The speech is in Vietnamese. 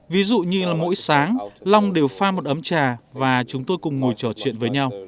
ví dụ như là mỗi sáng long đều pha một ấm trà và chúng tôi cùng ngồi trò chuyện với nhau